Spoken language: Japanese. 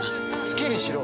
好きにしろ。